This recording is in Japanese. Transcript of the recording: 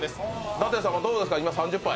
舘様どうですか、今、３０杯。